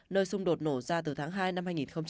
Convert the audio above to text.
nơi xung đột nổ ra từ tháng hai năm hai nghìn hai mươi